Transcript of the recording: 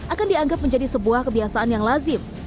akan dianggap menjadi sebuah kebiasaan yang lazim